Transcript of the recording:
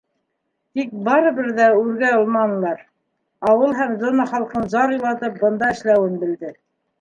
Тик барыбер ҙә үргә алманылар, ауыл һәм зона халҡын зар илатып бында эшләүен белде.